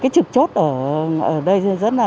tốt ở đây